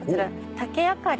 竹あかり。